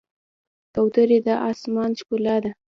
کوترې د آسمان ښکلا ده.